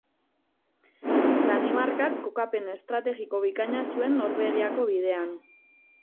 Danimarkak kokapen estrategiko bikaina zuen Norvegiako bidean.